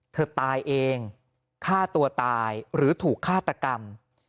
เธอตายเองฆ่าตัวตายหรือถูกฆาตกรรม